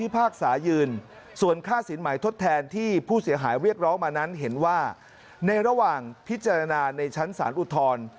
เพราะฉะนั้นเห็นว่าในระหว่างพิจารณาในชั้นสารอุทธรณ์